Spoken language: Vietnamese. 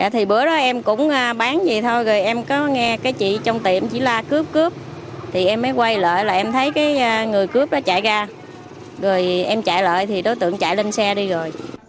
thì bữa đó em cũng bán gì thôi rồi em có nghe cái chị trong tiệm chỉ la cướp cướp thì em mới quay lại là em thấy cái người cướp đó chạy ra rồi em chạy lại thì đối tượng chạy lên xe đi rồi